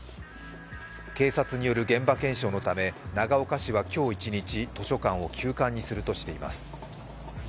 警察による現場検証のため長岡市は今日一日図書館を休館にするとしています。